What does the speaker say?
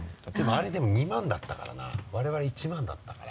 あれでも２万だったからな我々１万だったから。